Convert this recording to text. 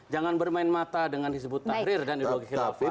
jangan bermain mata dengan hizbut tahrir dan ideologi khilafah